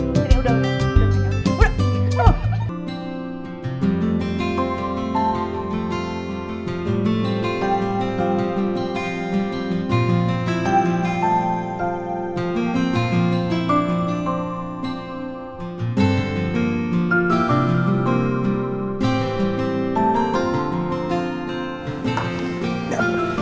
sini udah udah